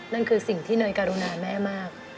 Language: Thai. นั่นคือสิ่งที่เนยการุณาแม่มาก